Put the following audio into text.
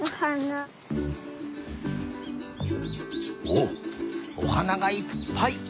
おっおはながいっぱい！